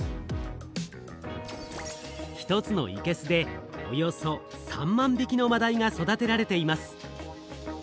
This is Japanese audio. １つのいけすでおよそ３万匹のマダイが育てられています。